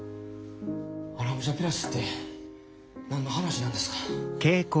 荒武者ピラスって何の話なんですか？